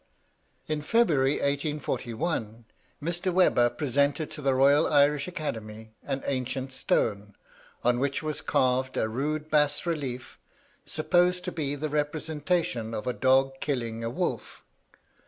In February, 1841, Mr. Webber presented to the Royal Irish Academy an ancient stone, on which was carved a rude bas relief, supposed to be the representation of a dog killing a wolf.